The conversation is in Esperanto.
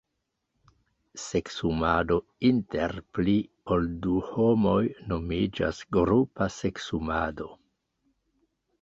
Seksumado inter pli ol du homoj nomiĝas grupa seksumado.